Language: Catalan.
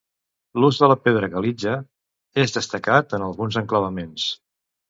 L'ús de la pedra calitja és destacat en alguns enclavaments.